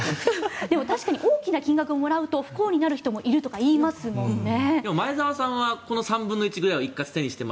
でも確かに大きな金額をもらうと不幸になる人もいるとか言いますもんね。